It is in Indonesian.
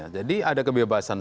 jadi ada kebebasan